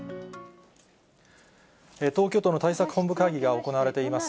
東京都の対策本部会議が行われています。